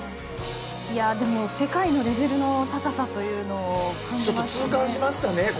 でも、世界のレベルの高さというのを感じましたね。